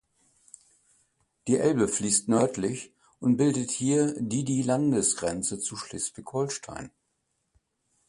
Die Elbe fließt nördlich und bildet hier die die Landesgrenze zu Schleswig-Holstein.